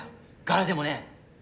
柄でもねえ。